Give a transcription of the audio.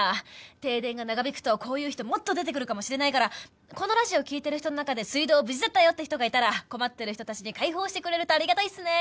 停電が長引くとこういう人もっと出てくるかもしれないからこのラジオ聴いてる人の中で水道無事だったよって人がいたら困ってる人たちに開放してくれるとありがたいっすね。